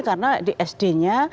karena di sd nya